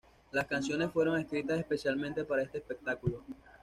Las canciones fueron escritas especialmente para este espectáculo.